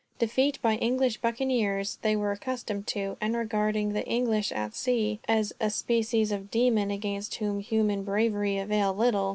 Defeat by English buccaneers they were accustomed to; and regarding the English, at sea, as a species of demon against whom human bravery availed little.